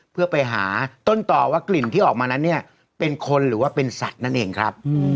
เพื่อไปหาต้นต่อว่ากลิ่นที่ออกมานั้นเนี่ยเป็นคนหรือว่าเป็นสัตว์นั่นเองครับ